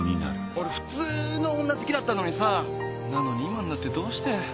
俺普通の女好きだったのにさなのに今になってどうして？